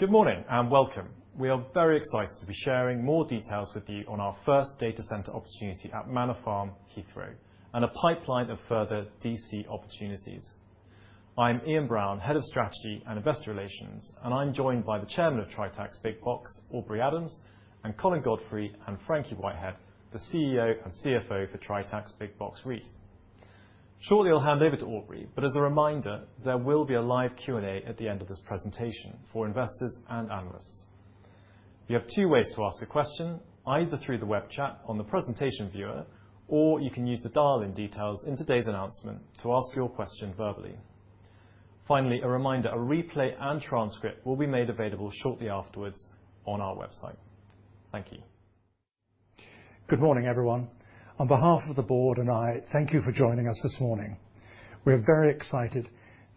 Good morning and welcome. We are very excited to be sharing more details with you on our first data center opportunity at Manor Farm, Heathrow, and a pipeline of further DC opportunities. I'm Ian Brown, Head of Strategy and Investor Relations, and I'm joined by the Chairman of Tritax Big Box, Aubrey Adams, and Colin Godfrey, and Frankie Whitehead, the CEO and CFO for Tritax Big Box REIT. Shortly, I'll hand over to Aubrey, but as a reminder, there will be a live Q&A at the end of this presentation for investors and analysts. You have two ways to ask a question, either through the web chat on the presentation viewer, or you can use the dial-in details in today's announcement to ask your question verbally. Finally, a reminder, a replay and transcript will be made available shortly afterwards on our website. Thank you. Good morning, everyone. On behalf of the board and I, thank you for joining us this morning. We are very excited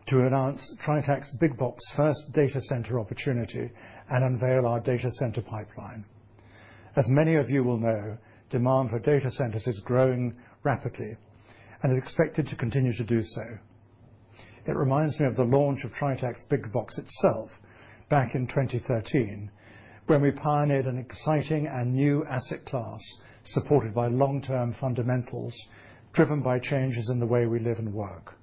to announce Tritax Big Box's first data center opportunity and unveil our data center pipeline. As many of you will know, demand for data centers is growing rapidly and is expected to continue to do so. It reminds me of the launch of Tritax Big Box itself back in 2013, when we pioneered an exciting and new asset class supported by long-term fundamentals driven by changes in the way we live and work.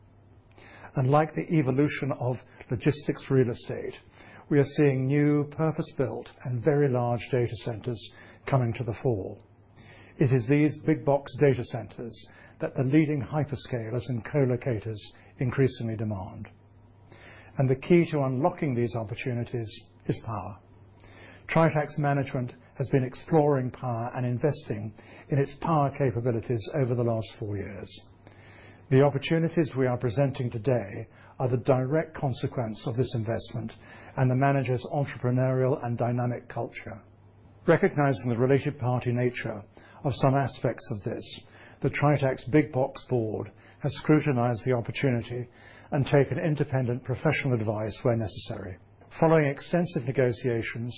And like the evolution of logistics real estate, we are seeing new purpose-built and very large data centers coming to the fore. It is these big box data centers that the leading hyperscalers and co-locators increasingly demand. And the key to unlocking these opportunities is power. Tritax Management has been exploring power and investing in its power capabilities over the last four years. The opportunities we are presenting today are the direct consequence of this investment and the manager's entrepreneurial and dynamic culture. Recognizing the related party nature of some aspects of this, the Tritax Big Box board has scrutinized the opportunity and taken independent professional advice where necessary. Following extensive negotiations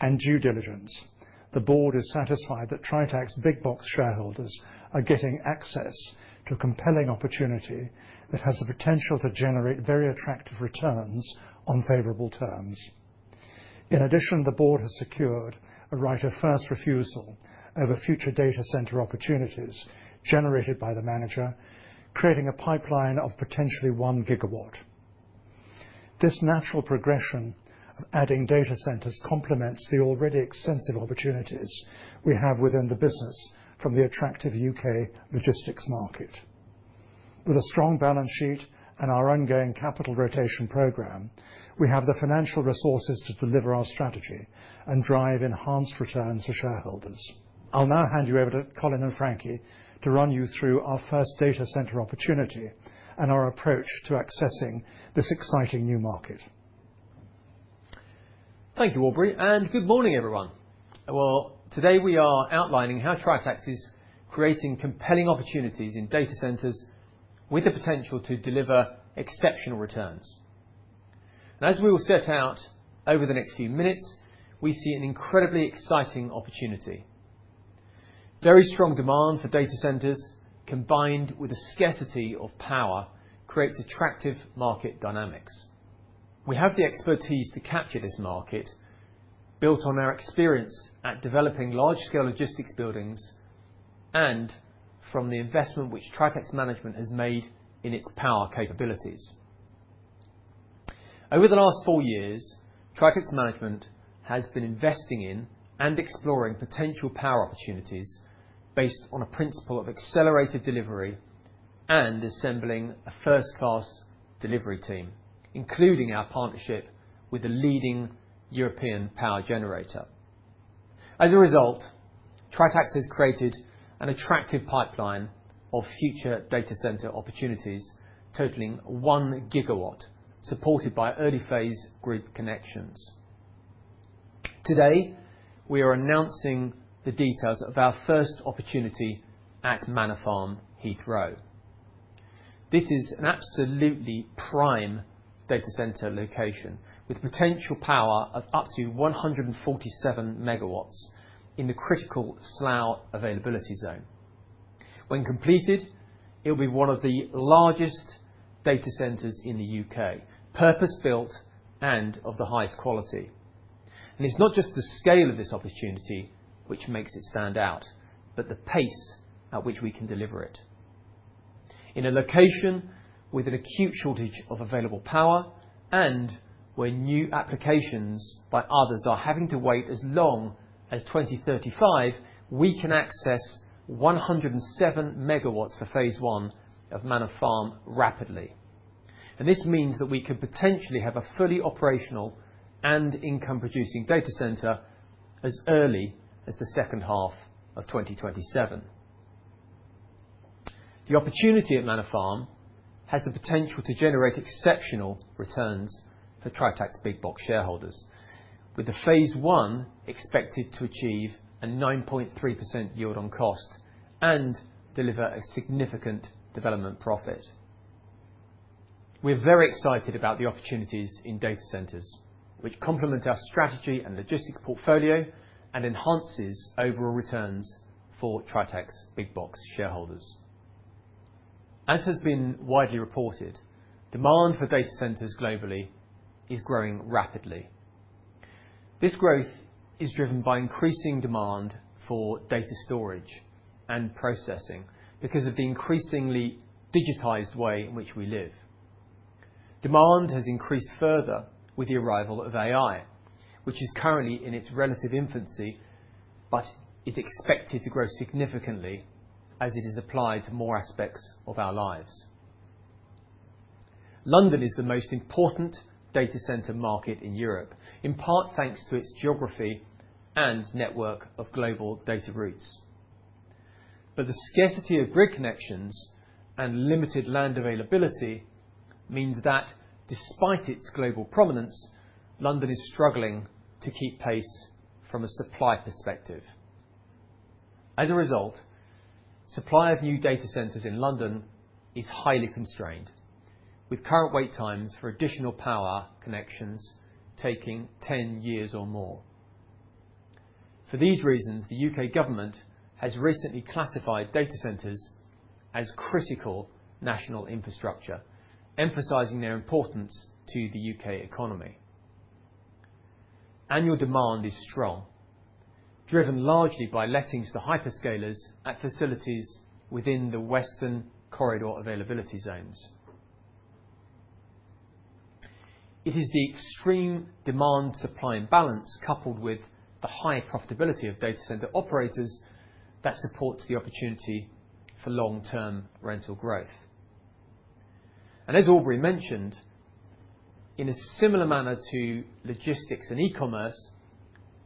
and due diligence, the board is satisfied that Tritax Big Box shareholders are getting access to a compelling opportunity that has the potential to generate very attractive returns on favorable terms. In addition, the board has secured a right of first refusal over future data center opportunities generated by the manager, creating a pipeline of potentially one gigawatt. This natural progression of adding data centers complements the already extensive opportunities we have within the business from the attractive U.K. logistics market. With a strong balance sheet and our ongoing capital rotation program, we have the financial resources to deliver our strategy and drive enhanced returns for shareholders. I'll now hand you over to Colin and Frankie to run you through our first data center opportunity and our approach to accessing this exciting new market. Thank you, Aubrey, and good morning, everyone. Today we are outlining how Tritax is creating compelling opportunities in data centers with the potential to deliver exceptional returns. As we will set out over the next few minutes, we see an incredibly exciting opportunity. Very strong demand for data centers, combined with a scarcity of power, creates attractive market dynamics. We have the expertise to capture this market built on our experience at developing large-scale logistics buildings and from the investment which Tritax Management has made in its power capabilities. Over the last four years, Tritax Management has been investing in and exploring potential power opportunities based on a principle of accelerated delivery and assembling a first-class delivery team, including our partnership with the leading European power generator. As a result, Tritax has created an attractive pipeline of future data center opportunities totaling one gigawatt, supported by early phase grid connections. Today, we are announcing the details of our first opportunity at Manor Farm, Heathrow. This is an absolutely prime data center location with potential power of up to 147 MW in the critical Slough availability zone. When completed, it will be one of the largest data centers in the U.K., purpose-built and of the highest quality. And it's not just the scale of this opportunity which makes it stand out, but the pace at which we can deliver it. In a location with an acute shortage of available power and where new applications by others are having to wait as long as 2035, we can access 107 MW for phase I of Manor Farm rapidly. This means that we could potentially have a fully operational and income-producing data center as early as the second half of 2027. The opportunity at Manor Farm has the potential to generate exceptional returns for Tritax Big Box shareholders, with the phase I expected to achieve a 9.3% yield on cost and deliver a significant development profit. We're very excited about the opportunities in data centers, which complement our strategy and logistics portfolio and enhances overall returns for Tritax Big Box shareholders. As has been widely reported, demand for data centers globally is growing rapidly. This growth is driven by increasing demand for data storage and processing because of the increasingly digitized way in which we live. Demand has increased further with the arrival of AI, which is currently in its relative infancy but is expected to grow significantly as it is applied to more aspects of our lives. London is the most important data center market in Europe, in part thanks to its geography and network of global data routes. But the scarcity of grid connections and limited land availability means that despite its global prominence, London is struggling to keep pace from a supply perspective. As a result, supply of new data centers in London is highly constrained, with current wait times for additional power connections taking 10 years or more. For these reasons, the U.K. government has recently classified data centers as critical national infrastructure, emphasizing their importance to the U.K. economy. Annual demand is strong, driven largely by lettings to hyperscalers at facilities within the Western Corridor availability zones. It is the extreme demand-supply imbalance, coupled with the high profitability of data center operators, that supports the opportunity for long-term rental growth. As Aubrey mentioned, in a similar manner to logistics and e-commerce,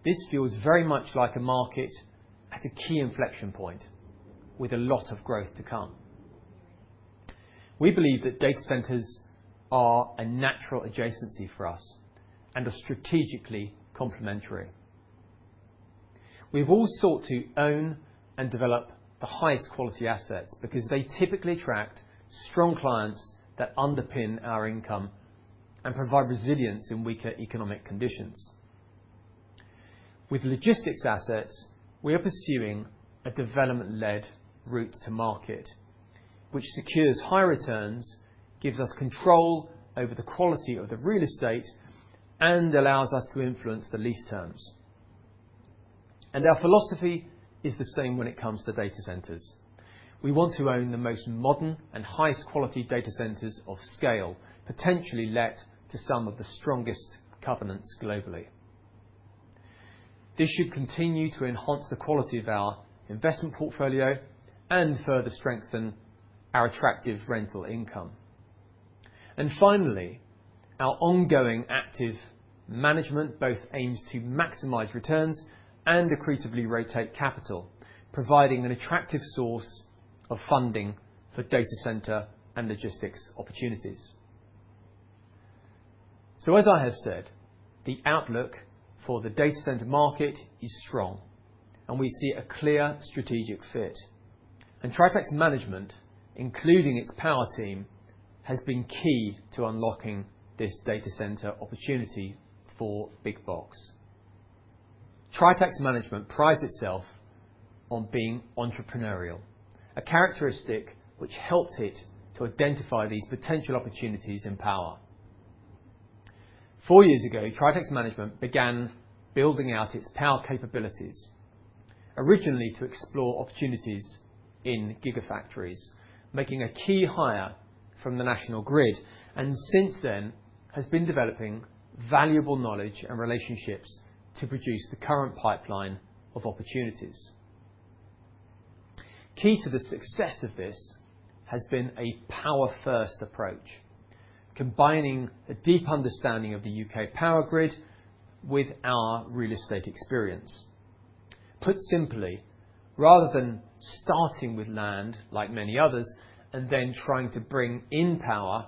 this feels very much like a market at a key inflection point with a lot of growth to come. We believe that data centers are a natural adjacency for us and are strategically complementary. We have all sought to own and develop the highest quality assets because they typically attract strong clients that underpin our income and provide resilience in weaker economic conditions. With logistics assets, we are pursuing a development-led route to market, which secures high returns, gives us control over the quality of the real estate, and allows us to influence the lease terms. Our philosophy is the same when it comes to data centers. We want to own the most modern and highest quality data centers of scale, potentially let to some of the strongest covenants globally. This should continue to enhance the quality of our investment portfolio and further strengthen our attractive rental income, and finally, our ongoing active management both aims to maximize returns and accretively rotate capital, providing an attractive source of funding for data center and logistics opportunities, so as I have said, the outlook for the data center market is strong, and we see a clear strategic fit, and Tritax Management, including its power team, has been key to unlocking this data center opportunity for Big Box. Tritax Management prides itself on being entrepreneurial, a characteristic which helped it to identify these potential opportunities in power. Four years ago, Tritax Management began building out its power capabilities, originally to explore opportunities in gigafactories, making a key hire from the National Grid, and since then has been developing valuable knowledge and relationships to produce the current pipeline of opportunities. Key to the success of this has been a power-first approach, combining a deep understanding of the U.K. power grid with our real estate experience. Put simply, rather than starting with land like many others and then trying to bring in power,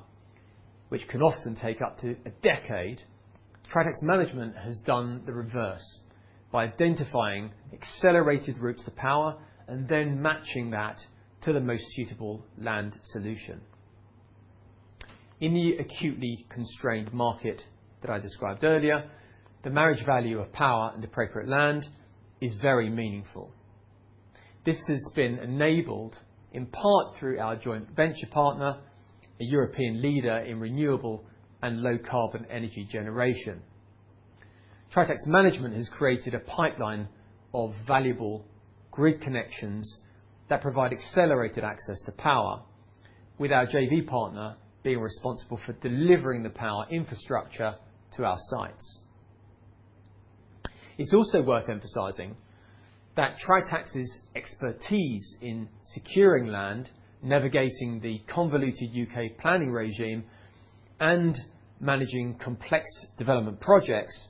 which can often take up to a decade, Tritax Management has done the reverse by identifying accelerated routes to power and then matching that to the most suitable land solution. In the acutely constrained market that I described earlier, the marriage value of power and appropriate land is very meaningful. This has been enabled in part through our joint venture partner, a European leader in renewable and low-carbon energy generation. Tritax Management has created a pipeline of valuable grid connections that provide accelerated access to power, with our JV partner being responsible for delivering the power infrastructure to our sites. It's also worth emphasizing that Tritax's expertise in securing land, navigating the convoluted U.K. planning regime, and managing complex development projects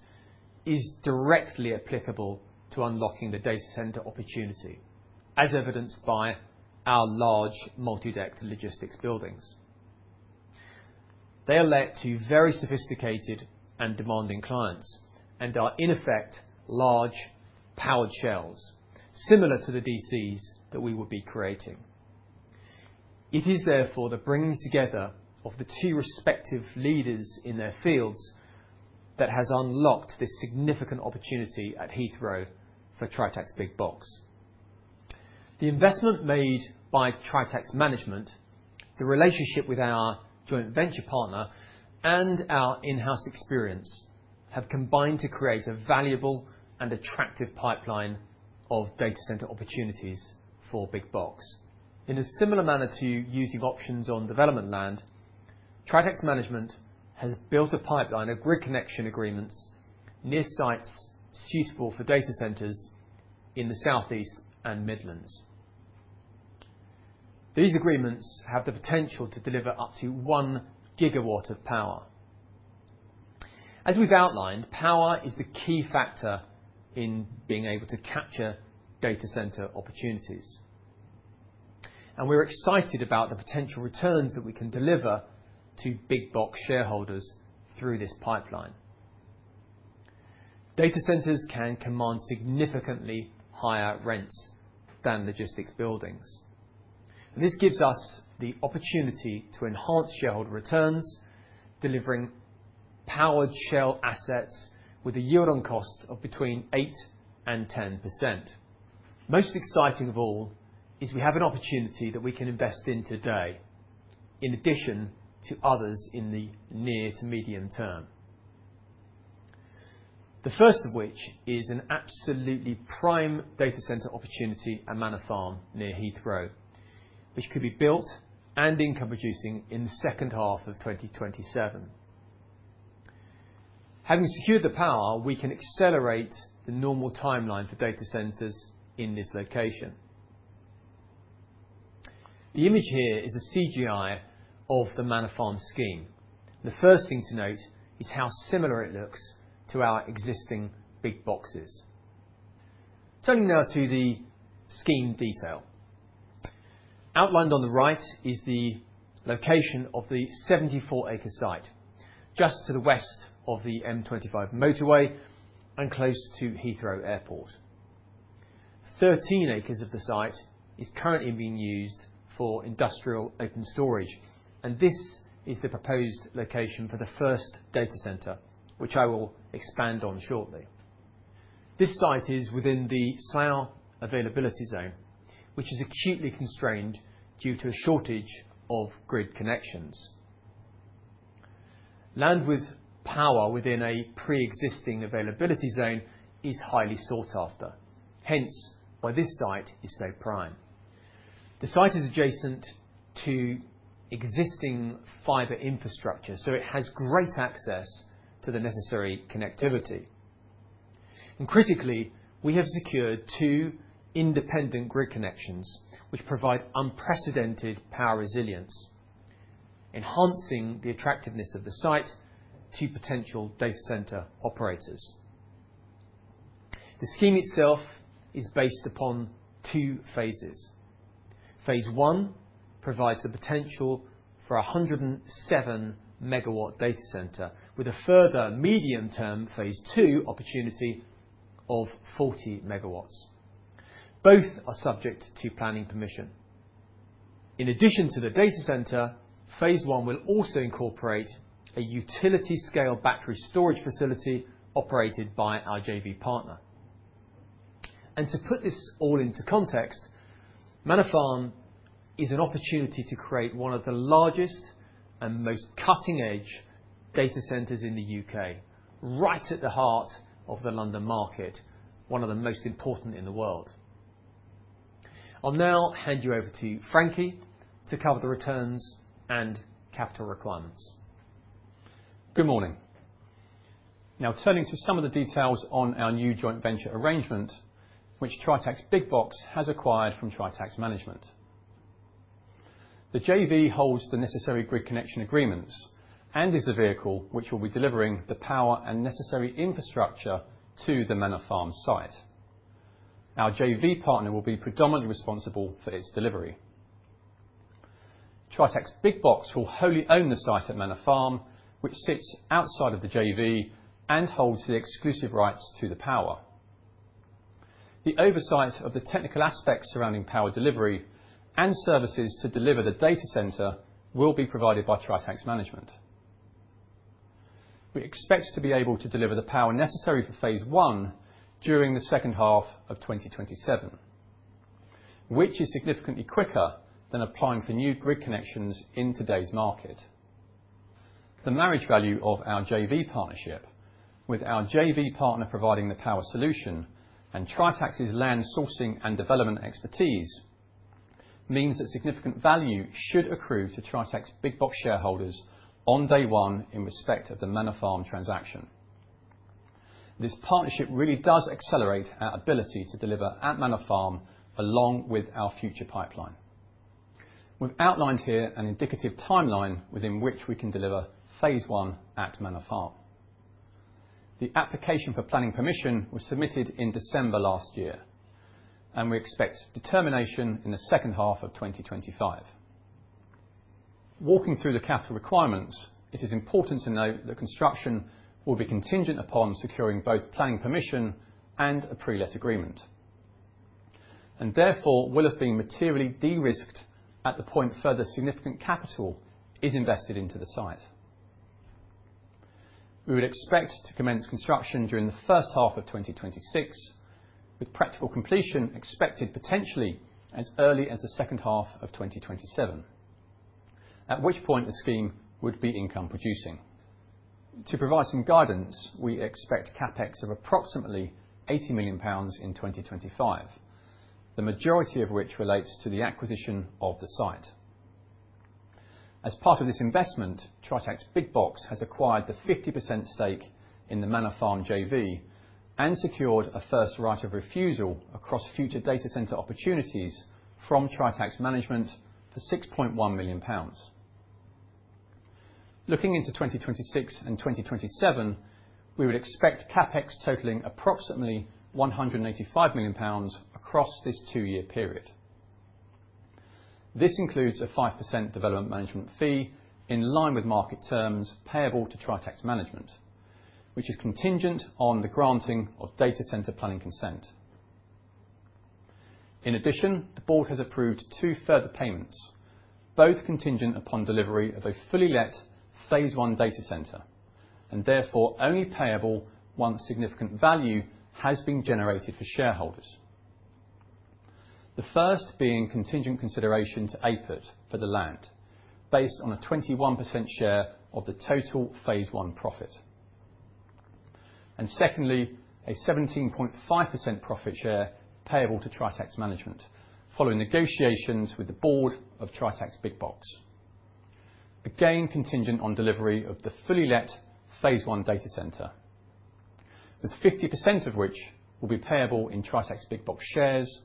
is directly applicable to unlocking the data center opportunity, as evidenced by our large multi-decked logistics buildings. They are let to very sophisticated and demanding clients and are, in effect, large powered shells, similar to the DCs that we would be creating. It is therefore the bringing together of the two respective leaders in their fields that has unlocked this significant opportunity at Heathrow for Tritax Big Box. The investment made by Tritax Management, the relationship with our joint venture partner, and our in-house experience have combined to create a valuable and attractive pipeline of data center opportunities for Big Box. In a similar manner to using options on development land, Tritax Management has built a pipeline of grid connection agreements near sites suitable for data centers in the Southeast and Midlands. These agreements have the potential to deliver up to one gigawatt of power. As we've outlined, power is the key factor in being able to capture data center opportunities. And we're excited about the potential returns that we can deliver to Big Box shareholders through this pipeline. Data centers can command significantly higher rents than logistics buildings. This gives us the opportunity to enhance shareholder returns, delivering powered shell assets with a yield on cost of between 8% and 10%. Most exciting of all is we have an opportunity that we can invest in today, in addition to others in the near to medium term. The first of which is an absolutely prime data center opportunity at Manor Farm near Heathrow, which could be built and income-producing in the second half of 2027. Having secured the power, we can accelerate the normal timeline for data centers in this location. The image here is a CGI of the Manor Farm scheme. The first thing to note is how similar it looks to our existing Big Boxes. Turning now to the scheme detail. Outlined on the right is the location of the 74-acre site, just to the west of the M25 motorway and close to Heathrow Airport. 13 acres of the site is currently being used for industrial open storage, and this is the proposed location for the first data center, which I will expand on shortly. This site is within the Slough availability zone, which is acutely constrained due to a shortage of grid connections. Land with power within a pre-existing availability zone is highly sought after. Hence, why this site is so prime. The site is adjacent to existing fiber infrastructure, so it has great access to the necessary connectivity, and critically, we have secured two independent grid connections, which provide unprecedented power resilience, enhancing the attractiveness of the site to potential data center operators. The scheme itself is based upon two phases. Phase I provides the potential for a 107 MW data center, with a further medium-term phase II opportunity of 40 MW. Both are subject to planning permission. In addition to the data center, phase I will also incorporate a utility-scale battery storage facility operated by our JV partner. To put this all into context, Manor Farm is an opportunity to create one of the largest and most cutting-edge data centers in the U.K., right at the heart of the London market, one of the most important in the world. I'll now hand you over to Frankie to cover the returns and capital requirements. Good morning. Now, turning to some of the details on our new joint venture arrangement, which Tritax Big Box has acquired from Tritax Management. The JV holds the necessary grid connection agreements and is the vehicle which will be delivering the power and necessary infrastructure to the Manor Farm site. Our JV partner will be predominantly responsible for its delivery. Tritax Big Box will wholly own the site at Manor Farm, which sits outside of the JV and holds the exclusive rights to the power. The oversight of the technical aspects surrounding power delivery and services to deliver the data center will be provided by Tritax Management. We expect to be able to deliver the power necessary for phase I during the second half of 2027, which is significantly quicker than applying for new grid connections in today's market. The marriage value of our JV partnership, with our JV partner providing the power solution and Tritax's land sourcing and development expertise, means that significant value should accrue to Tritax Big Box shareholders on day one in respect of the Manor Farm transaction. This partnership really does accelerate our ability to deliver at Manor Farm, along with our future pipeline. We've outlined here an indicative timeline within which we can deliver phase I at Manor Farm. The application for planning permission was submitted in December last year, and we expect determination in the second half of 2025. Walking through the capital requirements, it is important to note that construction will be contingent upon securing both planning permission and a pre-let agreement, and therefore will have been materially de-risked at the point further significant capital is invested into the site. We would expect to commence construction during the first half of 2026, with practical completion expected potentially as early as the second half of 2027, at which point the scheme would be income-producing. To provide some guidance, we expect CapEx of approximately 80 million pounds in 2025, the majority of which relates to the acquisition of the site. As part of this investment, Tritax Big Box has acquired the 50% stake in the Manor Farm JV and secured a first right of refusal across future data center opportunities from Tritax Management for 6.1 million pounds. Looking into 2026 and 2027, we would expect CapEx totaling approximately 185 million pounds across this two-year period. This includes a 5% development management fee in line with market terms payable to Tritax Management, which is contingent on the granting of data center planning consent. In addition, the board has approved two further payments, both contingent upon delivery of a fully-let phase I data center, and therefore only payable once significant value has been generated for shareholders. The first being contingent consideration to AIPUT for the land, based on a 21% share of the total phase I profit. And secondly, a 17.5% profit share payable to Tritax Management, following negotiations with the board of Tritax Big Box. Again, contingent on delivery of the fully-let phase I data center, with 50% of which will be payable in Tritax Big Box shares,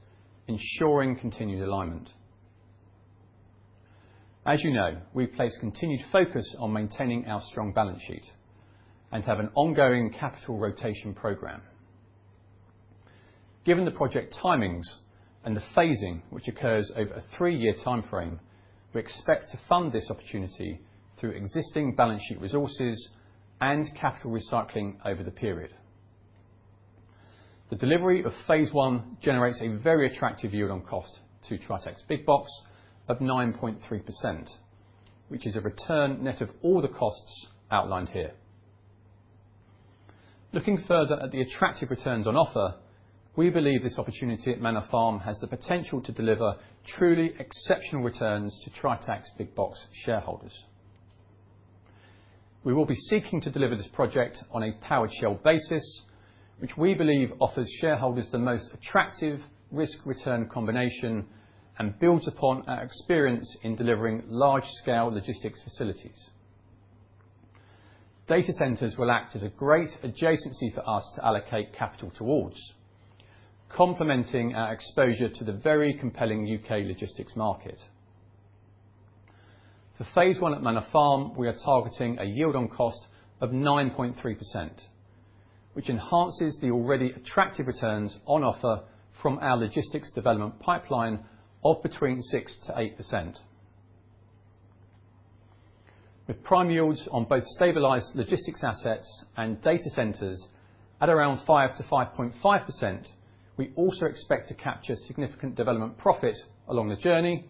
ensuring continued alignment. As you know, we place continued focus on maintaining our strong balance sheet and have an ongoing capital rotation program. Given the project timings and the phasing, which occurs over a three-year timeframe, we expect to fund this opportunity through existing balance sheet resources and capital recycling over the period. The delivery of phase I generates a very attractive yield on cost to Tritax Big Box of 9.3%, which is a return net of all the costs outlined here. Looking further at the attractive returns on offer, we believe this opportunity at Manor Farm has the potential to deliver truly exceptional returns to Tritax Big Box shareholders. We will be seeking to deliver this project on a powered shell basis, which we believe offers shareholders the most attractive risk-return combination and builds upon our experience in delivering large-scale logistics facilities. Data centers will act as a great adjacency for us to allocate capital towards, complementing our exposure to the very compelling U.K. logistics market. For phase I at Manor Farm, we are targeting a yield on cost of 9.3%, which enhances the already attractive returns on offer from our logistics development pipeline of between 6% to 8%. With prime yields on both stabilized logistics assets and data centers at around 5%-5.5%, we also expect to capture significant development profit along the journey,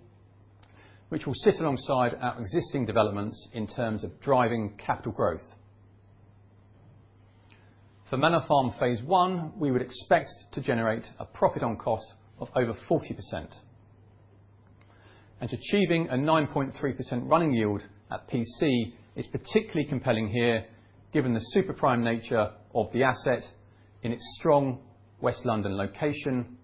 which will sit alongside our existing developments in terms of driving capital growth. For Manor Farm Phase I, we would expect to generate a profit on cost of over 40%. And achieving a 9.3% running yield at PC is particularly compelling here, given the super prime nature of the asset in its strong West London location.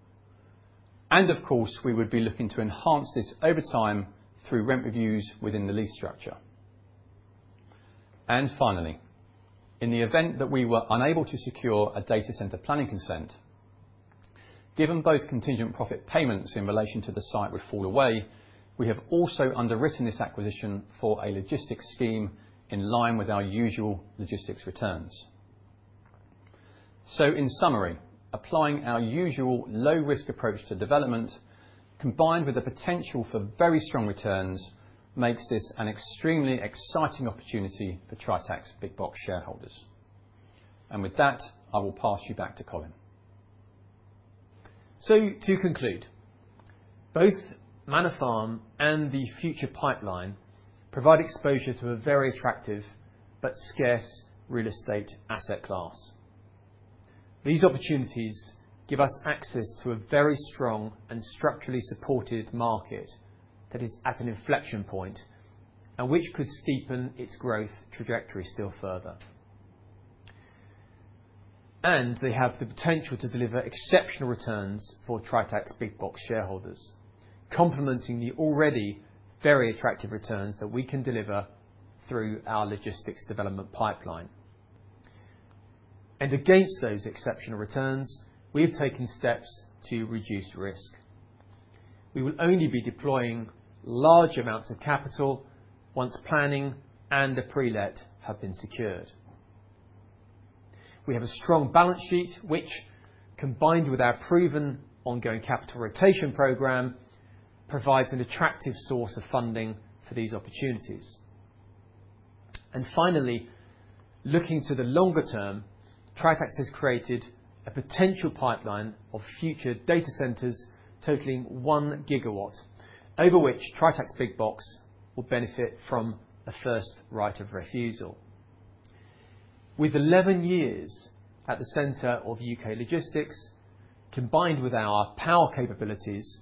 And of course, we would be looking to enhance this over time through rent reviews within the lease structure. And finally, in the event that we were unable to secure a data center planning consent, given both contingent profit payments in relation to the site would fall away, we have also underwritten this acquisition for a logistics scheme in line with our usual logistics returns. So in summary, applying our usual low-risk approach to development, combined with the potential for very strong returns, makes this an extremely exciting opportunity for Tritax Big Box shareholders. And with that, I will pass you back to Colin. So to conclude, both Manor Farm and the future pipeline provide exposure to a very attractive but scarce real estate asset class. These opportunities give us access to a very strong and structurally supported market that is at an inflection point and which could steepen its growth trajectory still further. And they have the potential to deliver exceptional returns for Tritax Big Box shareholders, complementing the already very attractive returns that we can deliver through our logistics development pipeline. And against those exceptional returns, we have taken steps to reduce risk. We will only be deploying large amounts of capital once planning and a pre-let have been secured. We have a strong balance sheet, which, combined with our proven ongoing capital rotation program, provides an attractive source of funding for these opportunities, and finally, looking to the longer term, Tritax has created a potential pipeline of future data centers totaling one gigawatt, over which Tritax Big Box will benefit from a first right of refusal. With 11 years at the center of U.K. logistics, combined with our power capabilities,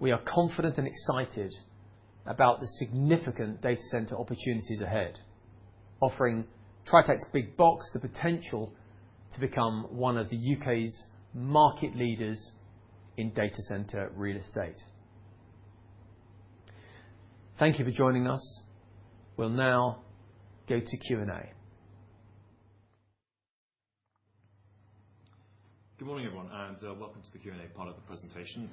we are confident and excited about the significant data center opportunities ahead, offering Tritax Big Box the potential to become one of the U.K.'s market leaders in data center real estate. Thank you for joining us. We'll now go to Q&A. Good morning, everyone, and welcome to the Q&A part of the presentation.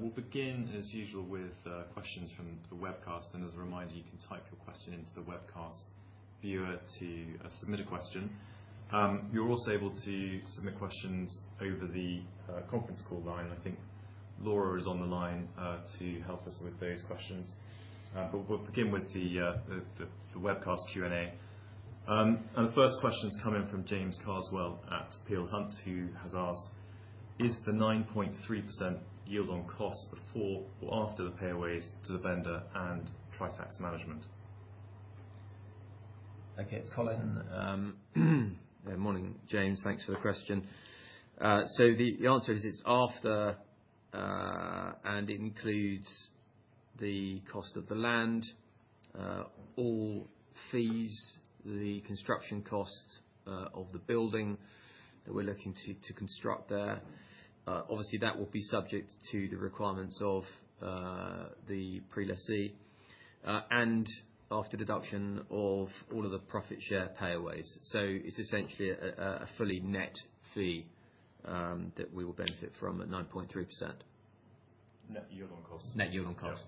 We'll begin, as usual, with questions from the webcast, and as a reminder, you can type your question into the webcast viewer to submit a question. You're also able to submit questions over the conference call line. I think Laura is on the line to help us with those questions. But we'll begin with the webcast Q&A. And the first question has come in from James Carswell at Peel Hunt, who has asked, "Is the 9.3% yield on cost before or after the payaways to the vendor and Tritax Management?" Okay, it's Colin. Good morning, James. Thanks for the question. So the answer is it's after, and it includes the cost of the land, all fees, the construction cost of the building that we're looking to construct there. Obviously, that will be subject to the requirements of the pre-let fee and after deduction of all of the profit share payaways. So it's essentially a fully net fee that we will benefit from at 9.3%. Net yield on cost. Net yield on cost.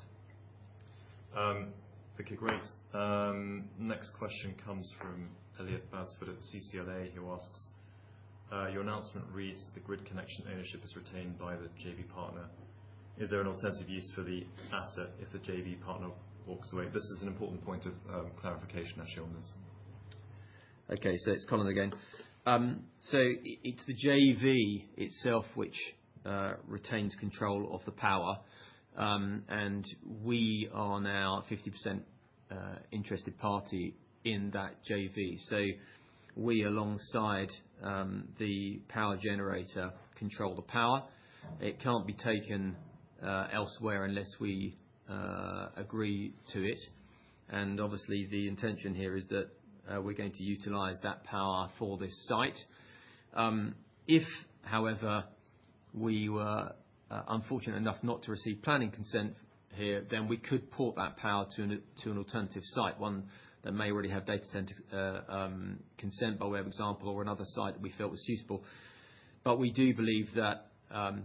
Okay, great. Next question comes from Elliot Bassford at CCLA, who asks, "Your announcement reads that the grid connection ownership is retained by the JV partner. Is there an alternative use for the asset if the JV partner walks away?" This is an important point of clarification, actually, on this. Okay, so it's Colin again. So it's the JV itself which retains control of the power, and we are now a 50% interested party in that JV. So we, alongside the power generator, control the power. It can't be taken elsewhere unless we agree to it. And obviously, the intention here is that we're going to utilize that power for this site. If, however, we were unfortunate enough not to receive planning consent here, then we could port that power to an alternative site, one that may already have data center consent by way of example or another site that we felt was useful. But we do believe that,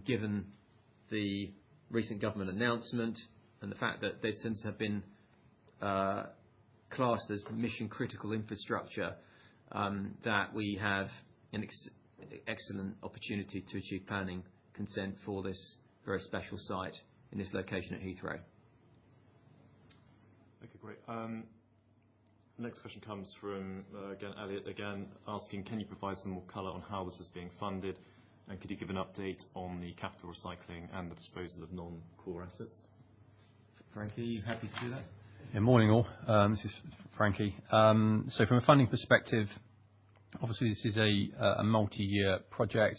given the recent government announcement and the fact that data centers have been classed as mission-critical infrastructure, that we have an excellent opportunity to achieve planning consent for this very special site in this location at Heathrow. Okay, great. Next question comes from, again, Elliott again, asking, "Can you provide some more color on how this is being funded? And could you give an update on the capital recycling and the disposal of non-core assets?" Frankie, are you happy to do that? Yeah, morning all. This is Frankie. So from a funding perspective, obviously, this is a multi-year project.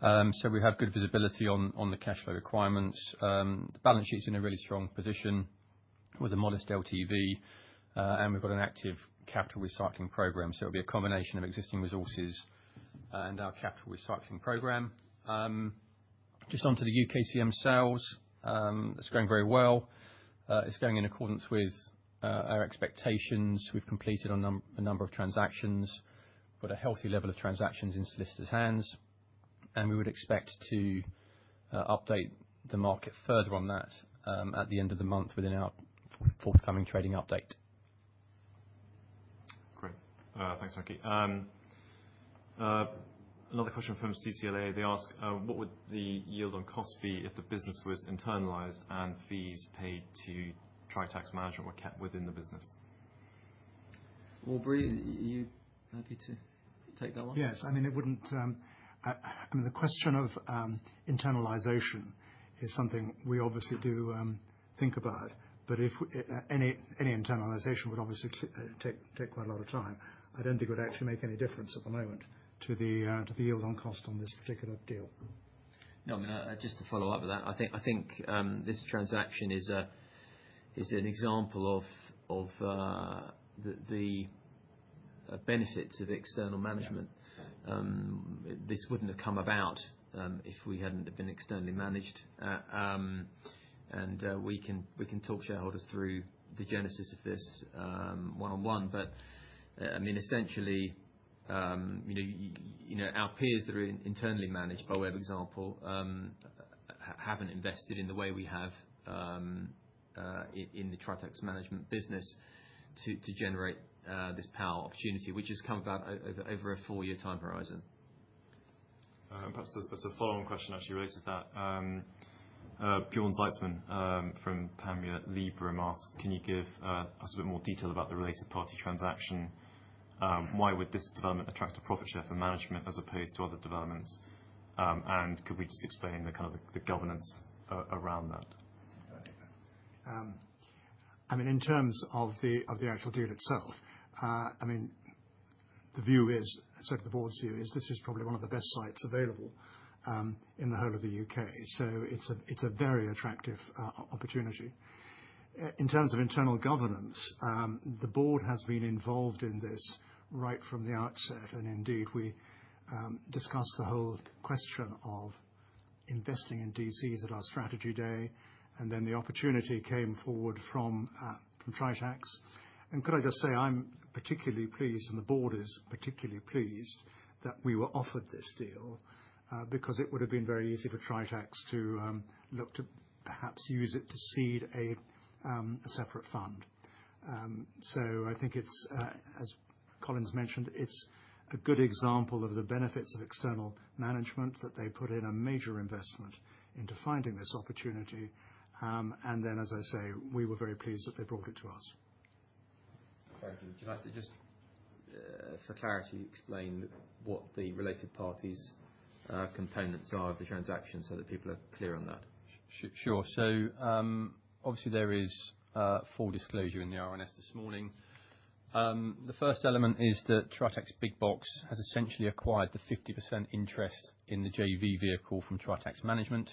So we have good visibility on the cash flow requirements. The balance sheet's in a really strong position with a modest LTV, and we've got an active capital recycling program. So it'll be a combination of existing resources and our capital recycling program. Just onto the UKCM sales, it's going very well. It's going in accordance with our expectations. We've completed a number of transactions. We've got a healthy level of transactions in solicitor's hands. And we would expect to update the market further on that at the end of the month within our forthcoming trading update. Great. Thanks, Frankie. Another question from CCLA. They ask, "What would the yield on cost be if the business was internalized and fees paid to Tritax Management were kept within the business?" Aubrey, are you happy to take that one? Yes. I mean, it wouldn't. I mean, the question of internalization is something we obviously do think about. But any internalization would obviously take quite a lot of time. I don't think it would actually make any difference at the moment to the yield on cost on this particular deal. No, I mean, just to follow up with that, I think this transaction is an example of the benefits of external management. This wouldn't have come about if we hadn't been externally managed. And we can talk shareholders through the genesis of this one-on-one. But I mean, essentially, our peers that are internally managed by way of example haven't invested in the way we have in the Tritax Management business to generate this power opportunity, which has come about over a four-year time horizon. Perhaps as a follow-on question, actually related to that, Bjorn Zietsman from Panmure Liberum asks, "Can you give us a bit more detail about the related party transaction? Why would this development attract a profit share for management as opposed to other developments? And could we just explain the kind of the governance around that?" I mean, in terms of the actual deal itself, I mean, the view is, certainly the board's view, is this is probably one of the best sites available in the whole of the U.K. So it's a very attractive opportunity. In terms of internal governance, the board has been involved in this right from the outset. And indeed, we discussed the whole question of investing in DCs at our strategy day. And then the opportunity came forward from Tritax. Could I just say I'm particularly pleased, and the board is particularly pleased, that we were offered this deal because it would have been very easy for Tritax to look to perhaps use it to seed a separate fund. I think, as Colin's mentioned, it's a good example of the benefits of external management that they put in a major investment into finding this opportunity. As I say, we were very pleased that they brought it to us. Frankie, do you like to just, for clarity, explain what the related parties' components are of the transaction so that people are clear on that? Sure. Obviously, there is full disclosure in the RNS this morning. The first element is that Tritax Big Box has essentially acquired the 50% interest in the JV vehicle from Tritax Management.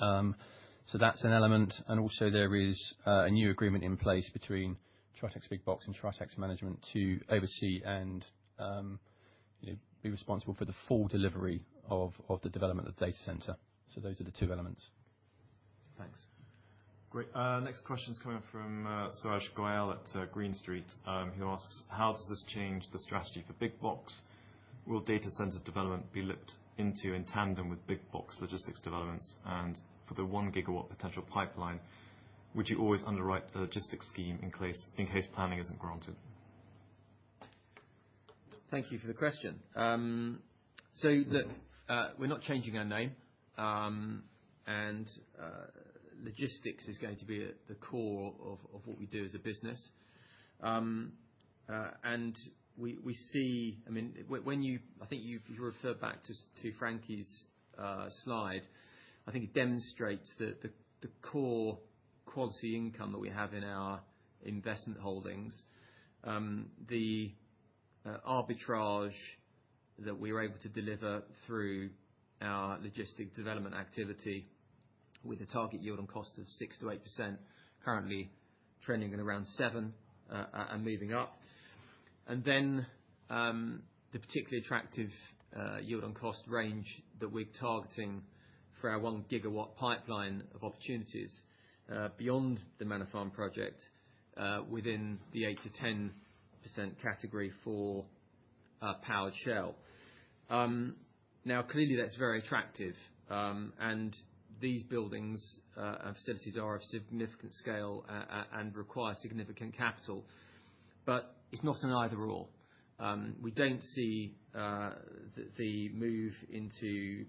That's an element. And also, there is a new agreement in place between Tritax Big Box and Tritax Management to oversee and be responsible for the full delivery of the development of the data center. So those are the two elements. Thanks. Great. Next question is coming up from Saurabh Goyal at Green Street, who asks, "How does this change the strategy for Big Box? Will data center development be looked into in tandem with Big Box logistics developments? And for the one gigawatt potential pipeline, would you always underwrite a logistics scheme in case planning isn't granted?" Thank you for the question. So we're not changing our name. And logistics is going to be the core of what we do as a business. And we see—I mean, I think you referred back to Frankie's slide. I think it demonstrates the core quality income that we have in our investment holdings, the arbitrage that we were able to deliver through our logistic development activity with a target yield on cost of 6%-8%, currently trending at around 7 and moving up. And then the particularly attractive yield on cost range that we're targeting for our one gigawatt pipeline of opportunities beyond the Manor Farm project within the 8%-10% category for powered shell. Now, clearly, that's very attractive. And these buildings and facilities are of significant scale and require significant capital. But it's not an either/or. We don't see the move into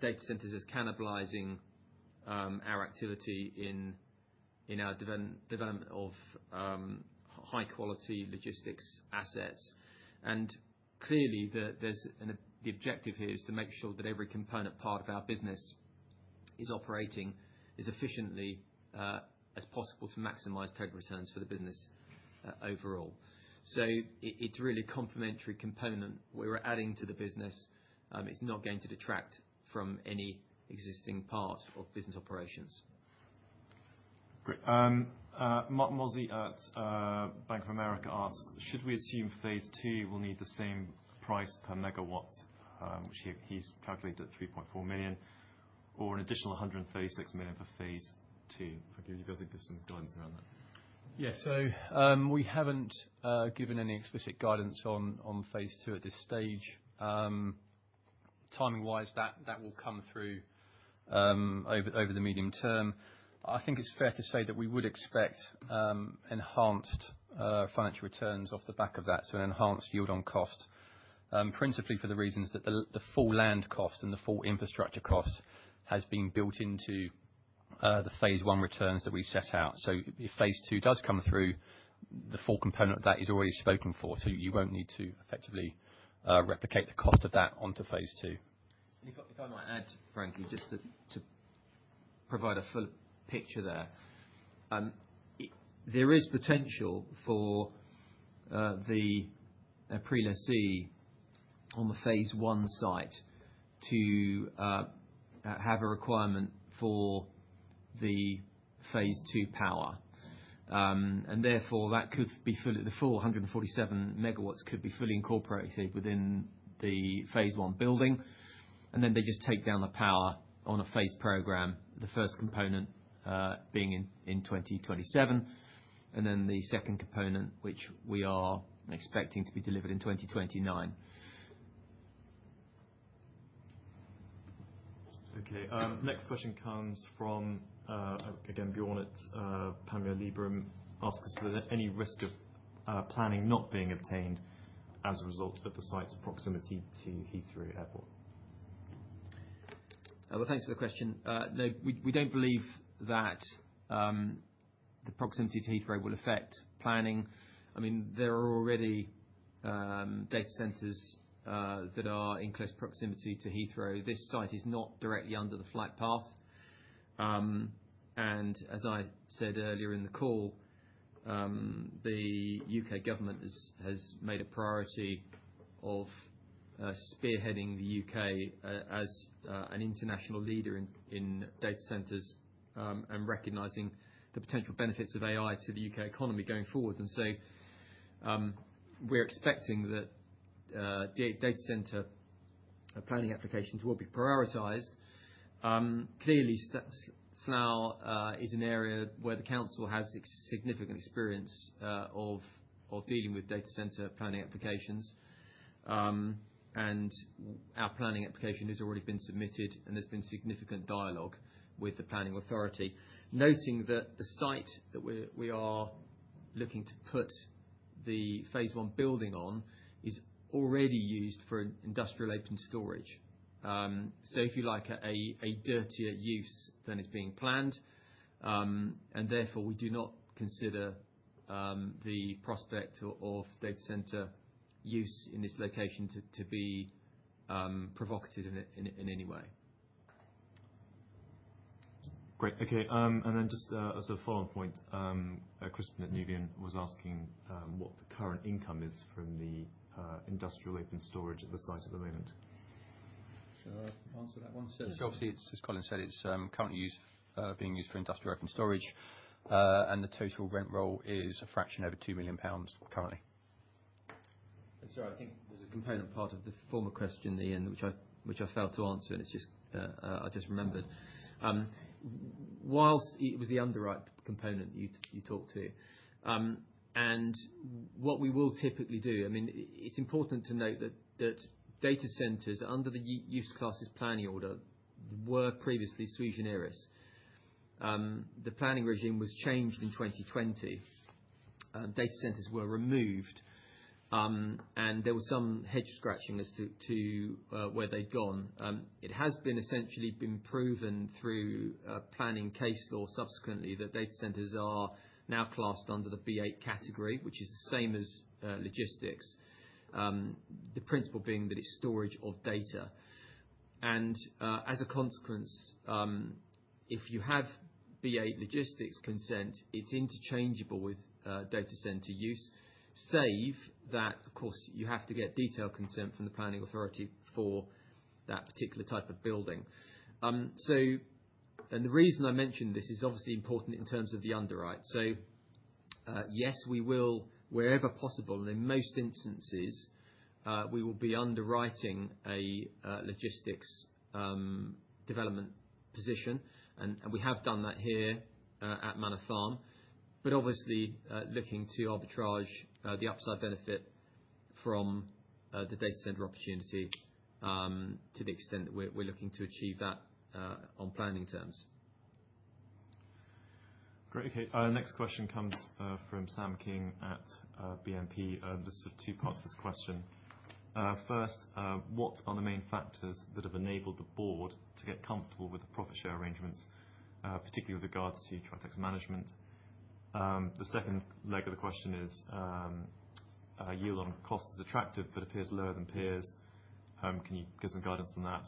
data centers as cannibalizing our activity in our development of high-quality logistics assets. Clearly, the objective here is to make sure that every component part of our business is operating as efficiently as possible to maximize total returns for the business overall. It's really a complementary component we're adding to the business. It's not going to detract from any existing part of business operations. Great. Marc Mozzi at Bank of America asks, "Should we assume phase II will need the same price per megawatt, which he's calculated at 3.4 million, or an additional 136 million for phase II?" Frankie, would you be able to give some guidance around that? Yeah. We haven't given any explicit guidance on phase II at this stage. Timing-wise, that will come through over the medium term. I think it's fair to say that we would expect enhanced financial returns off the back of that, so an enhanced yield on cost, principally for the reasons that the full land cost and the full infrastructure cost has been built into the phase I returns that we set out. So if phase II does come through, the full component of that is already spoken for. So you won't need to effectively replicate the cost of that onto phase II. If I might add, Frankie, just to provide a fuller picture there, there is potential for the pre-let fee on the phase I site to have a requirement for the phase II power. And therefore, the full 147 MW could be fully incorporated within the phase I building. And then they just take down the power on a phase program, the first component being in 2027, and then the second component, which we are expecting to be delivered in 2029. Okay. Next question comes from, again, Bjorn at Panmure Liberum, who asks, "Is there any risk of planning not being obtained as a result of the site's proximity to Heathrow Airport?" Well, thanks for the question. No, we don't believe that the proximity to Heathrow will affect planning. I mean, there are already data centers that are in close proximity to Heathrow. This site is not directly under the flight path. And as I said earlier in the call, the U.K. government has made a priority of spearheading the U.K. as an international leader in data centers and recognizing the potential benefits of AI to the U.K. economy going forward. We're expecting that data center planning applications will be prioritized. Clearly, Slough is an area where the council has significant experience of dealing with data center planning applications. Our planning application has already been submitted, and there's been significant dialogue with the planning authority, noting that the site that we are looking to put the phase I building on is already used for industrial open storage. So if you like, a dirtier use than is being planned. Therefore, we do not consider the prospect of data center use in this location to be provocative in any way. Great. Okay. Then just as a follow-up point, Crispin at Nuveen was asking what the current income is from the industrial open storage at the site at the moment. Shall I answer that one? Yeah. So obviously, as Colin said, it's currently being used for industrial open storage. The total rent roll is a fraction over 2 million pounds currently. Sorry, I think there's a component part of the former question at the end which I failed to answer, and I just remembered. While it was the underwritten component you talked to. What we will typically do, I mean, it's important to note that data centers under the use classes planning order were previously sui generis. The planning regime was changed in 2020. Data centers were removed, and there was some head scratching as to where they'd gone. It has been essentially proven through planning case law subsequently that data centers are now classed under the B8 category, which is the same as logistics, the principle being that it's storage of data. And as a consequence, if you have B8 logistics consent, it's interchangeable with data center use, save that, of course, you have to get detailed consent from the planning authority for that particular type of building. And the reason I mentioned this is obviously important in terms of the underwrite. So yes, we will, wherever possible, and in most instances, we will be underwriting a logistics development position. And we have done that here at Manor Farm. But obviously, looking to arbitrage the upside benefit from the data center opportunity to the extent that we're looking to achieve that on planning terms. Great. Okay. Next question comes from Sam King at BNP. There's sort of two parts to this question. First, what are the main factors that have enabled the board to get comfortable with the profit share arrangements, particularly with regards to Tritax Management? The second leg of the question is, yield on cost is attractive but appears lower than peers. Can you give some guidance on that?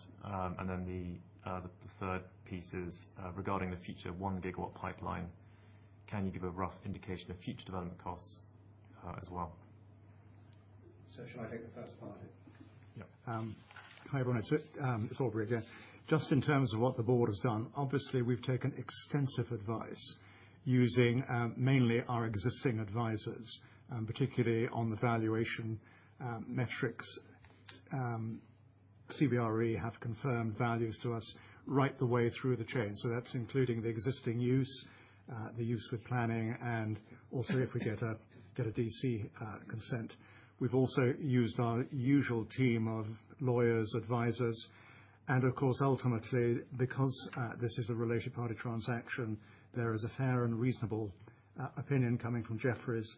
And then the third piece is regarding the future one gigawatt pipeline. Can you give a rough indication of future development costs as well? So shall I take the first part? Yeah. Hi, everyone. It's Aubrey again. Just in terms of what the board has done, obviously, we've taken extensive advice using mainly our existing advisors, particularly on the valuation metrics. CBRE have confirmed values to us right the way through the chain. So that's including the existing use, the use with planning, and also if we get a DC consent. We've also used our usual team of lawyers, advisors. And of course, ultimately, because this is a related party transaction, there is a fair and reasonable opinion coming from Jefferies.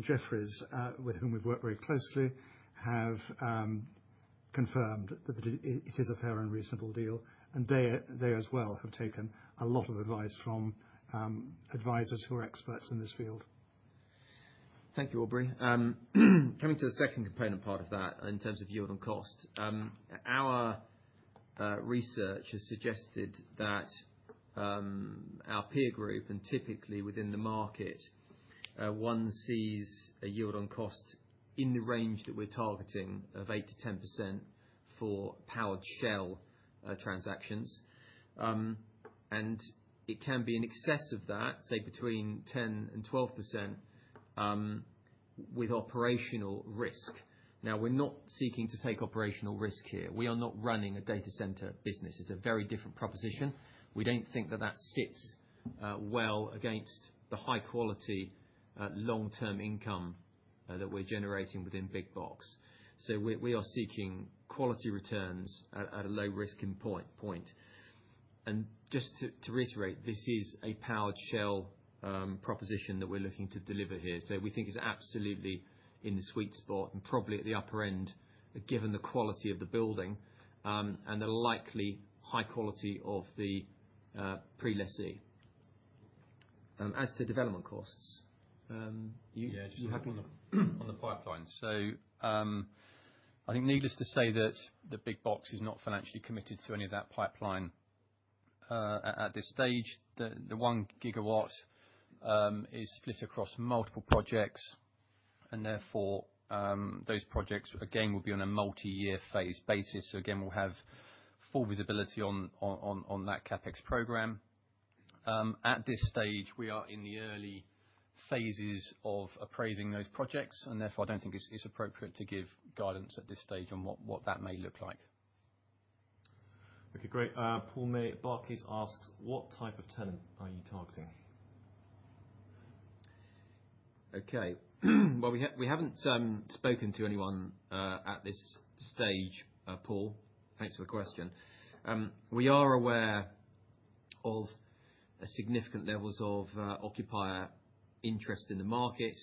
Jefferies, with whom we've worked very closely, have confirmed that it is a fair and reasonable deal. They as well have taken a lot of advice from advisors who are experts in this field. Thank you, Aubrey. Coming to the second component part of that in terms of yield on cost, our research has suggested that our peer group, and typically within the market, one sees a yield on cost in the range that we're targeting of 8%-10% for powered shell transactions. It can be in excess of that, say between 10% and 12% with operational risk. Now, we're not seeking to take operational risk here. We are not running a data center business. It's a very different proposition. We don't think that that sits well against the high-quality long-term income that we're generating within Big Box. We are seeking quality returns at a low-risk point. And just to reiterate, this is a powered shell proposition that we're looking to deliver here. So we think it's absolutely in the sweet spot and probably at the upper end given the quality of the building and the likely high quality of the pre-let fee. As to development costs, you have. Yeah, just on the pipeline. So I think needless to say that Big Box is not financially committed to any of that pipeline at this stage. The one gigawatt is split across multiple projects. And therefore, those projects, again, will be on a multi-year phase basis. So again, we'll have full visibility on that CapEx program. At this stage, we are in the early phases of appraising those projects. And therefore, I don't think it's appropriate to give guidance at this stage on what that may look like. Okay. Great. Paul May at Barclays asks, "What type of tenant are you targeting?" Okay. Well, we haven't spoken to anyone at this stage, Paul. Thanks for the question. We are aware of significant levels of occupier interest in the market,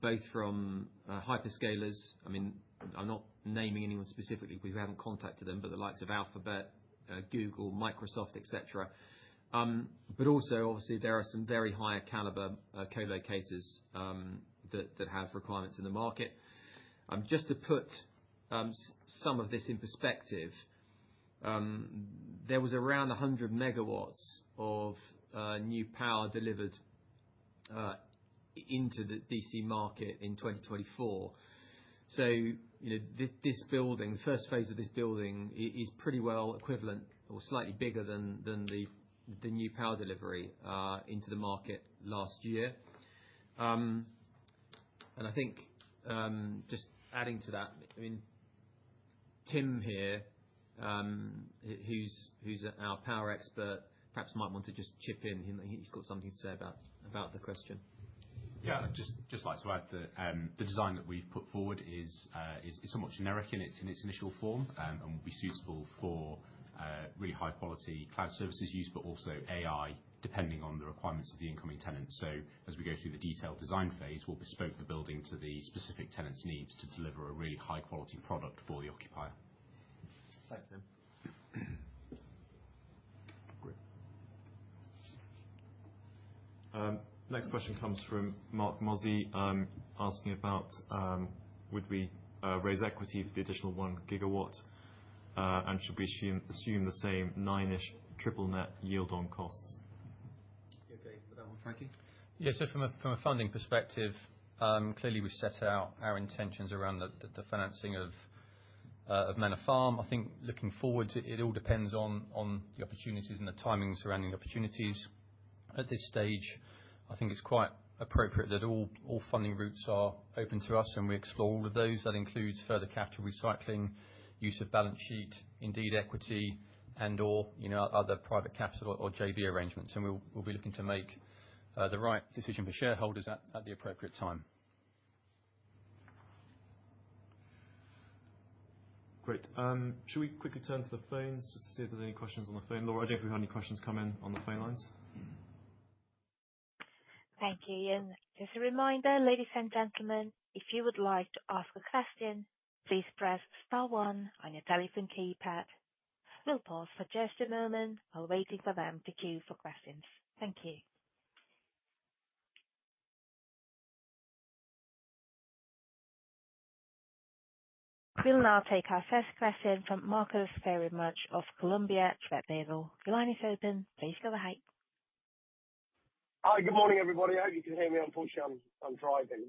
both from hyperscalers. I mean, I'm not naming anyone specifically. We haven't contacted them, but the likes of Alphabet, Google, Microsoft, etc. But also, obviously, there are some very high-caliber co-locators that have requirements in the market. Just to put some of this in perspective, there was around 100 MW of new power delivered into the DC market in 2024. So this building, the first phase of this building, is pretty well equivalent or slightly bigger than the new power delivery into the market last year. And I think just adding to that, I mean, Tim here, who's our power expert, perhaps might want to just chip in. He's got something to say about the question. Yeah. Just like to add that the design that we've put forward is somewhat generic in its initial form and will be suitable for really high-quality cloud services use, but also AI, depending on the requirements of the incoming tenant. So as we go through the detailed design phase, we'll bespoke the building to the specific tenant's needs to deliver a really high-quality product for the occupier. Thanks, Tim. Great. Next question comes from Marc Mozzi asking about, "Would we raise equity for the additional one gigawatt? And should we assume the same nine-ish triple-net yield on costs?" Okay. With that one, Frankie? Yeah. So from a funding perspective, clearly, we've set out our intentions around the financing of Manor Farm. I think looking forward, it all depends on the opportunities and the timing surrounding the opportunities. At this stage, I think it's quite appropriate that all funding routes are open to us, and we explore all of those. That includes further capital recycling, use of balance sheet, indeed equity, and/or other private capital or JV arrangements. And we'll be looking to make the right decision for shareholders at the appropriate time. Great. Shall we quickly turn to the phones just to see if there's any questions on the phone? Laura, I don't know if we've had any questions come in on the phone lines. Thank you, Ian. And just a reminder, ladies and gentlemen, if you would like to ask a question, please press star one on your telephone keypad. We'll pause for just a moment while waiting for them to queue for questions. Thank you. We'll now take our first question from Marcus Phayre-Mudge of Columbia Threadneedle Investments. The line is open. Please go ahead. Hi. Good morning, everybody. I hope you can hear me. Unfortunately, I'm driving.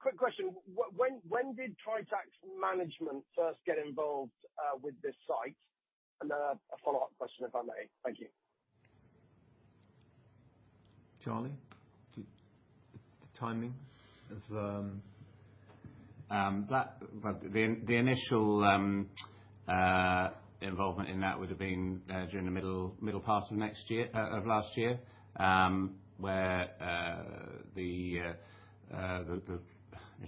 Quick question. When did Tritax Management first get involved with this site? And then a follow-up question, if I may. Thank you. Tim, the timing. The initial involvement in that would have been during the middle part of last year, where it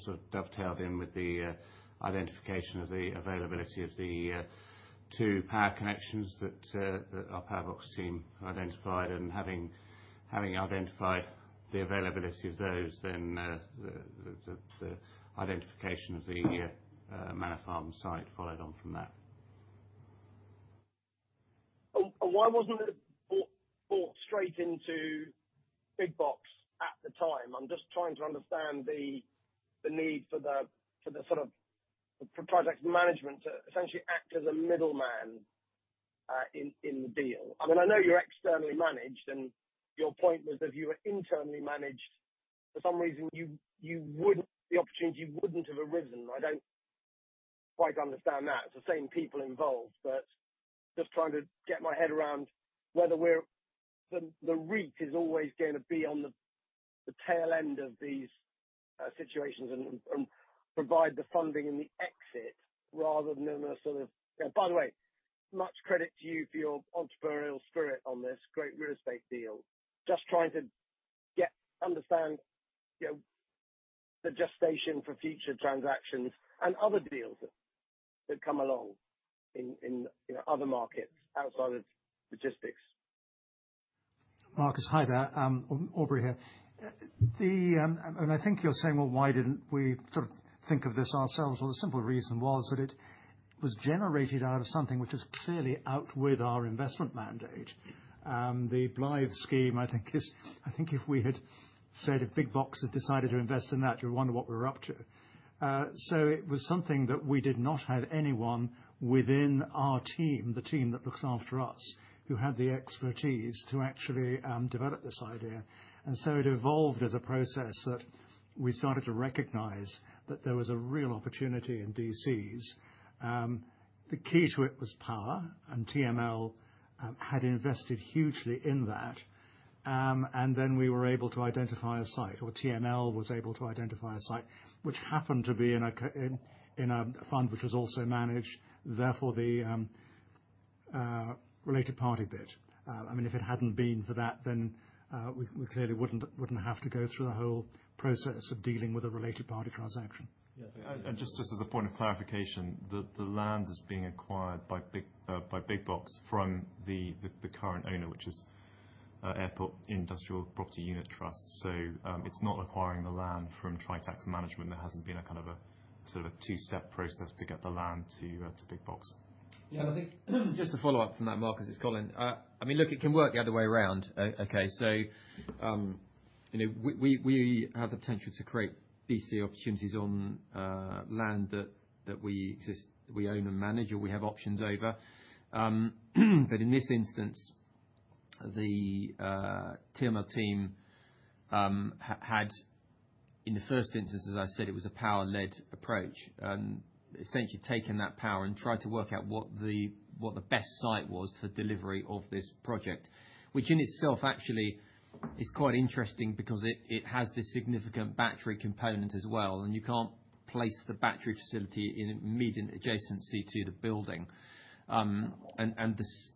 sort of dovetailed in with the identification of the availability of the two power connections that our power team identified. And having identified the availability of those, then the identification of the Manor Farm site followed on from that. And why wasn't it brought straight into Big Box at the time? I'm just trying to understand the need for the sort of Tritax Management to essentially act as a middleman in the deal. I mean, I know you're externally managed, and your point was that if you were internally managed, for some reason, the opportunity wouldn't have arisen. I don't quite understand that. It's the same people involved, but just trying to get my head around whether the reach is always going to be on the tail end of these situations and provide the funding in the exit rather than a sort of by the way, much credit to you for your entrepreneurial spirit on this great real estate deal. Just trying to understand the gestation for future transactions and other deals that come along in other markets outside of logistics. Marcus, hi there. Aubrey here, and I think you're saying, "Well, why didn't we sort of think of this ourselves?" Well, the simple reason was that it was generated out of something which is clearly out with our investment mandate. The Blyth scheme, I think, is I think if we had said if Big Box had decided to invest in that, you'd wonder what we were up to. So it was something that we did not have anyone within our team, the team that looks after us, who had the expertise to actually develop this idea. And so it evolved as a process that we started to recognize that there was a real opportunity in DCs. The key to it was power, and TML had invested hugely in that. And then we were able to identify a site, or TML was able to identify a site, which happened to be in a fund which was also managed, therefore the related party bit. I mean, if it hadn't been for that, then we clearly wouldn't have to go through the whole process of dealing with a related party transaction. Yeah. Just as a point of clarification, the land is being acquired by Big Box from the current owner, which is Airport Industrial Property Unit Trust. It's not acquiring the land from Tritax Management. There hasn't been a kind of sort of two-step process to get the land to Big Box. Yeah. I think just to follow up from that, Marcus, it's Colin. I mean, look, it can work the other way around. Okay. We have the potential to create DC opportunities on land that we own and manage, or we have options over. But in this instance, the TML team had, in the first instance, as I said, it was a power-led approach, essentially taken that power and tried to work out what the best site was for delivery of this project, which in itself actually is quite interesting because it has this significant battery component as well. And you can't place the battery facility in immediate adjacency to the building. And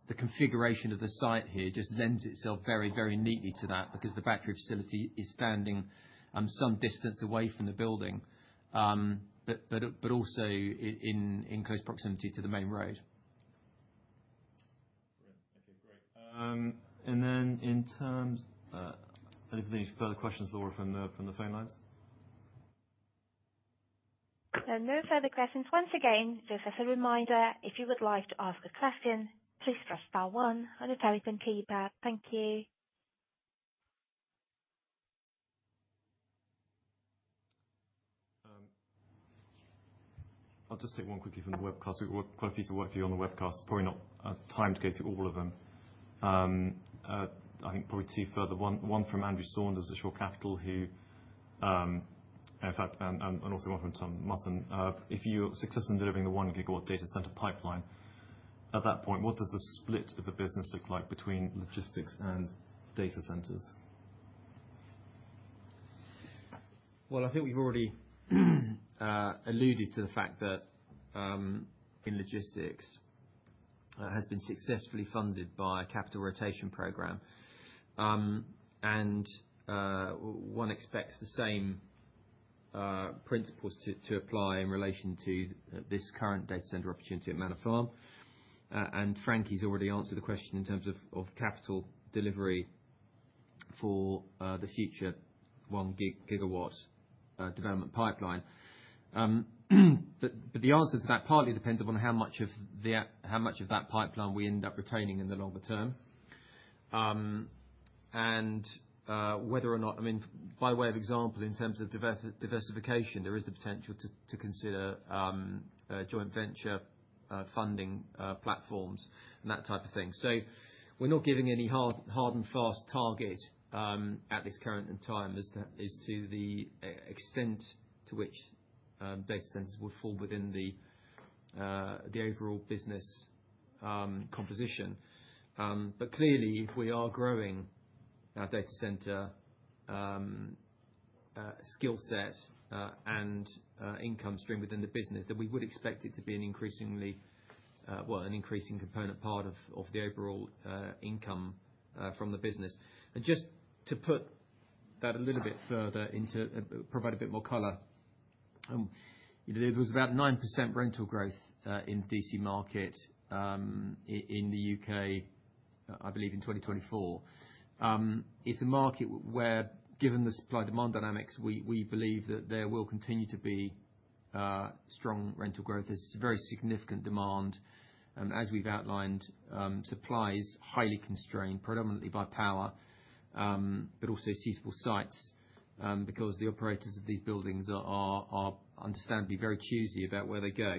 the configuration of the site here just lends itself very, very neatly to that because the battery facility is standing some distance away from the building, but also in close proximity to the main road. Great. Okay. Great. And then in terms of any further questions, Laura, from the phone lines? No further questions. Once again, just as a reminder, if you would like to ask a question, please press star one on your telephone keypad. Thank you. I'll just take one quickly from the webcast. We've got quite a few to work through on the webcast. Probably not time to go through all of them. I think probably two further. One from Andrew Saunders at Shore Capital, who in fact, and also one from Tom Musson. If you're successful in delivering the one gigawatt data center pipeline, at that point, what does the split of the business look like between logistics and data centers? Well, I think we've already alluded to the fact that the logistics has been successfully funded by a capital rotation program. And one expects the same principles to apply in relation to this current data center opportunity at Manor Farm. And Frankie's already answered the question in terms of capital delivery for the future one gigawatt development pipeline. But the answer to that partly depends upon how much of that pipeline we end up retaining in the longer term and whether or not, I mean, by way of example, in terms of diversification, there is the potential to consider joint venture funding platforms and that type of thing. So we're not giving any hard and fast target at this current time as to the extent to which data centers would fall within the overall business composition. But clearly, if we are growing our data center skill set and income stream within the business, then we would expect it to be an increasingly, well, an increasing component part of the overall income from the business. And just to put that a little bit further into provide a bit more color, it was about 9% rental growth in the DC market in the U.K., I believe, in 2024. It's a market where, given the supply-demand dynamics, we believe that there will continue to be strong rental growth. There's very significant demand. As we've outlined, supply is highly constrained, predominantly by power, but also suitable sites because the operators of these buildings are understandably very choosy about where they go.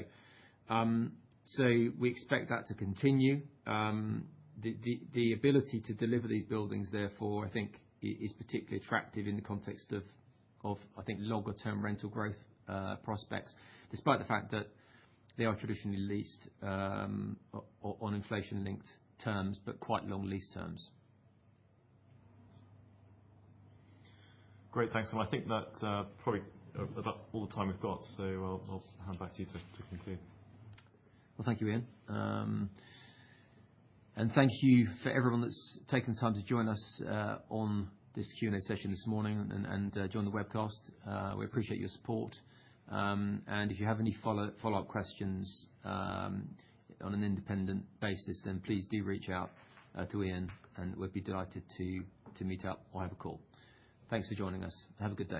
So we expect that to continue. The ability to deliver these buildings, therefore, I think, is particularly attractive in the context of, I think, longer-term rental growth prospects, despite the fact that they are traditionally leased on inflation-linked terms, but quite long lease terms. Great. Thanks, Colin. I think that's probably about all the time we've got, so I'll hand back to you to conclude. Well, thank you, Ian. And thank you for everyone that's taken the time to join us on this Q&A session this morning and join the webcast. We appreciate your support. If you have any follow-up questions on an independent basis, then please do reach out to Ian, and we'd be delighted to meet up or have a call. Thanks for joining us. Have a good day.